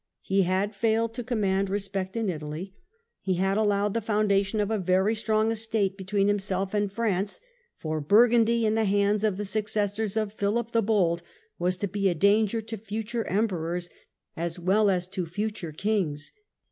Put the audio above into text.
He had failed to command re spect in Itah\ He had allowed the foundation of a very strong estate between himself and France, for Burgundy in the hands of the successors of Philip the Bold was to be a danger to future Emperors as well as to future Kings.